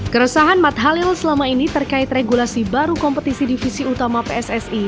keresahan matt halil selama ini terkait regulasi baru kompetisi divisi utama pssi